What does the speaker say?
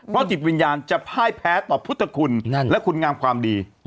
เพราะจิตวิญญาณจะพ่ายแพ้ต่อพุทธคุณและคุณงามความดี